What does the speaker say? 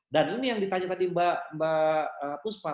dan ini yang ditanya tadi mbak puspa